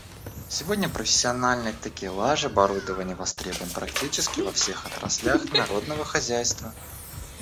Сегодня профессиональный такелаж оборудования востребован практически во всех отраслях народного хозяйства.